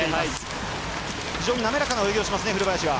非常に滑らかな泳ぎをしますね古林は。